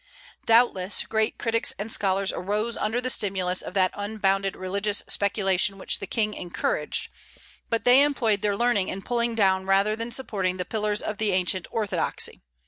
Doubtless, great critics and scholars arose under the stimulus of that unbounded religious speculation which the King encouraged; but they employed their learning in pulling down rather than supporting the pillars of the ancient orthodoxy.